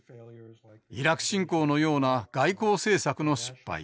イラク侵攻のような外交政策の失敗。